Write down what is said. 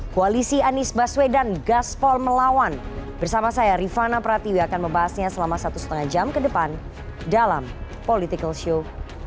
koalisi anies baswedan gaspol melawan bersama saya rifana pratiwi akan membahasnya selama satu lima jam ke depan dalam political show